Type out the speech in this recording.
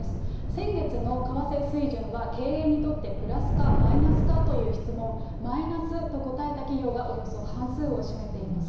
先月の為替水準は、経営にとってプラスかマイナスかという質問、マイナスと答えた企業がおよそ半数を占めています。